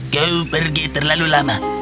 kau pergi terlalu lama